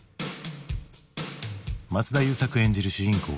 松田優作演じる主人公